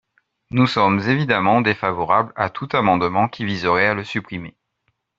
Nous sommes évidemment défavorables à tout amendement qui viserait à le supprimer.